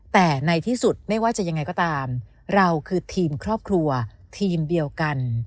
แต่ในที่สุดไม่ว่าจะยังไงก็ตามเราคือทีมครอบครัวทีมเดียวกัน